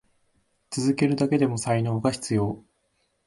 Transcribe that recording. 続けるだけでも才能が必要。